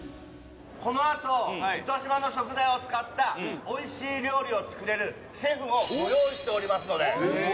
このあと糸島の食材を使ったおいしい料理を作れるシェフをご用意しておりますので。